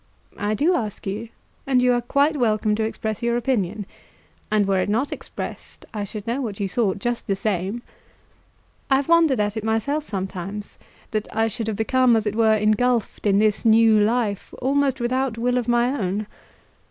"I do ask you, and you are quite welcome to express your opinion. And were it not expressed, I should know what you thought just the same. I have wondered at it myself sometimes, that I should have become as it were engulfed in this new life, almost without will of my own.